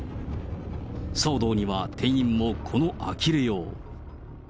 騒動には店員もこのあきれよう。